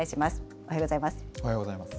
おはようございます。